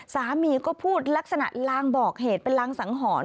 สามีก็พูดลักษณะลางบอกเหตุเป็นรางสังหรณ์